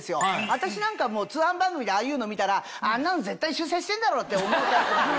私なんかは通販番組でああいうのを見たらあんなの絶対修正してんだろって思うタイプなんで。